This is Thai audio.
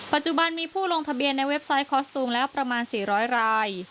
ปัจจุบันมีผู้ลงทะเบียนในเว็บไซต์คอสตูมแล้วประมาณ๔๐๐ราย